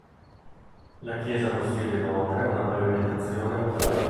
La chiesa possiede inoltre una pavimentazione a mosaico